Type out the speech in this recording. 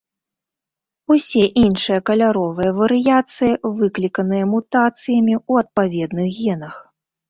Усе іншыя каляровыя варыяцыі выкліканыя мутацыямі ў адпаведных генах.